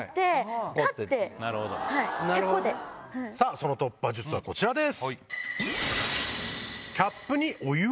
その突破術はこちらです。